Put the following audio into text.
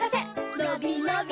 のびのび